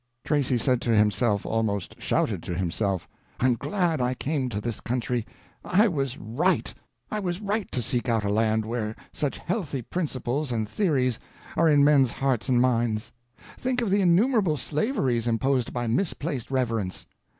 Tracy said to himself, almost shouted to himself, "I'm glad I came to this country. I was right. I was right to seek out a land where such healthy principles and theories are in men's hearts and minds. Think of the innumerable slaveries imposed by misplaced reverence!